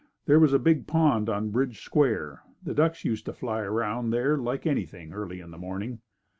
There was a big pond on Bridge Square. The ducks used to fly around there like anything early in the morning.